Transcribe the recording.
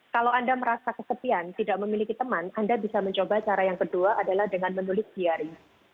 kalau anda merasa kesepian tidak memiliki teman anda bisa mencoba cara yang kedua adalah dengan menulis diari